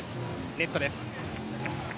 ネットです。